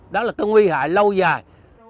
đó là cái nguy hại lâu dài